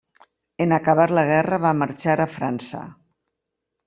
En acabar la guerra va marxar a França.